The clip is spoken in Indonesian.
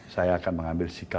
saya akan mengambil sikap